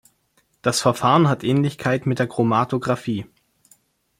Das Verfahren hat Ähnlichkeit mit der Chromatographie.